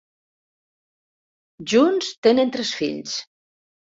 Junts tenen tres fills.